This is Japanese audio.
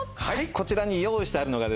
こちらに用意してあるのがですね